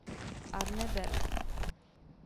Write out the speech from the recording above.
Arne Berg.